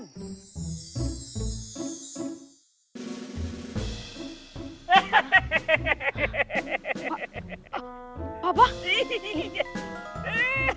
ini beneran papa